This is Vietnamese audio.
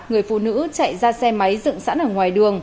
người phụ nữ chạy ra xe máy dựng sẵn ở ngoài đường